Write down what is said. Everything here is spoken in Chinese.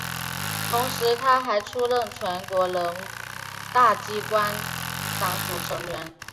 同时她还出任全国人大机关党组成员。